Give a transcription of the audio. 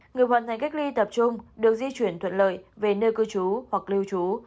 người hoàn thành cách ly tập trung được di chuyển thuận lợi về nơi cư trú hoặc lưu trú